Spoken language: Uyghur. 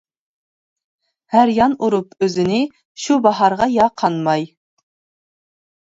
ھەر يان ئۇرۇپ ئۆزىنى، شۇ باھارغا يا قانماي.